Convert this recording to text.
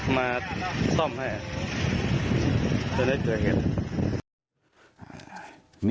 มาส่อมไงจนได้เกิดอย่างนี้